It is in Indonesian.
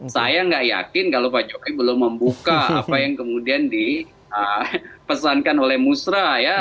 saya nggak yakin kalau pak jokowi belum membuka apa yang kemudian dipesankan oleh musra ya